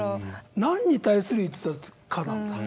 何に対する逸脱かなんだ。